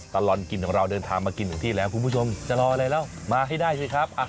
ตลอดกินของเราเดินทางมากินของที่แล้วคุณผู้ชมจะรออะไรแล้วมาให้ได้ไหมครับ